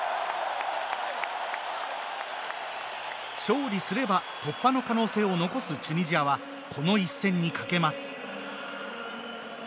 勝利すれば突破の可能性を残すチュニジアはこの一戦にかけます。